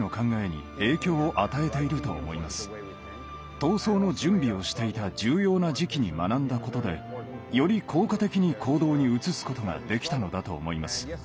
闘争の準備をしていた重要な時期に学んだことでより効果的に行動に移すことができたのだと思います。